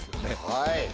はい。